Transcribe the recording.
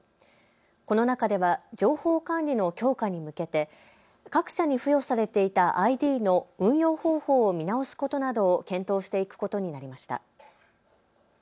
この中では情報管理の強化に向けて各社に付与されていたＩＤの運用方法を見直すことなどを検討していくことになりました。